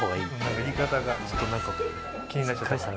言い方がちょっと何か気になっちゃったから。